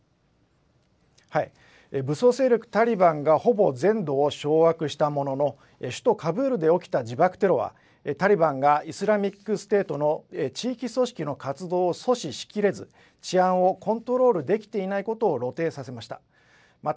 武装勢力タリバンがほぼ全土を掌握したものの、首都カブールで起きた自爆テロは、タリバンがイスラミックステートの地域組織の活動を阻止しきれず、治安をコントロールできていないことを露呈させました。